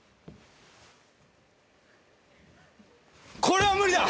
これは無理だ。